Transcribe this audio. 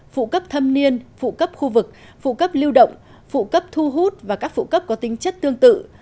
phụ cấp thâm niên phụ cấp khu vực phụ cấp lưu động phụ cấp thu hút và các phụ cấp có tính chất tương tự